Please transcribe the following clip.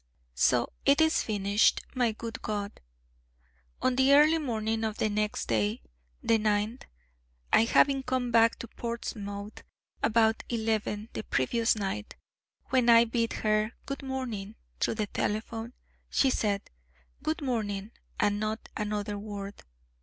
So it is finished, my good God. On the early morning of the next day, the 9th, I having come back to Portsmouth about eleven the previous night, when I bid her 'Good morning' through the telephone, she said 'Good morning,' and not another word.